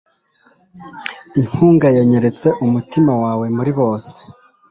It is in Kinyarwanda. inkunga yanyeretse umutima wawe muri bose